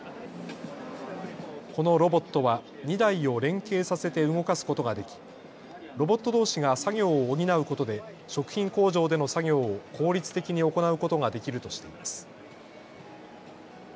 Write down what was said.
このロボットは２台を連携させて動かすことができロボットどうしが作業を補うことで食品工場での作業を効率的に行うことができるとしています。